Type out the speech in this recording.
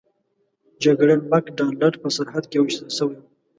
جګړن مک ډانلډ په سرحد کې ویشتل شوی و.